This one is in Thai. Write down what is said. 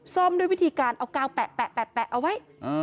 ซ่อมด้วยวิธีการเอากาวแปะเอาไว้